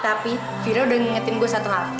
tapi vira udah ngingetin gue satu hal